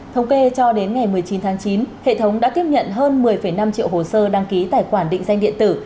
thống kê cho đến ngày một mươi chín tháng chín hệ thống đã tiếp nhận hơn một mươi năm triệu hồ sơ đăng ký tài khoản định danh điện tử